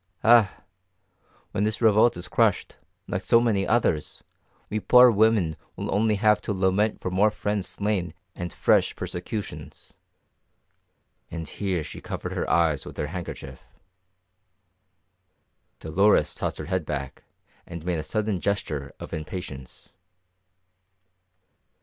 Ah, when this revolt is crushed, like so many others, we poor women will only have to lament for more friends slain and fresh persecutions." And here she covered her eyes with her handkerchief. Dolores tossed her head back and made a sudden gesture of impatience.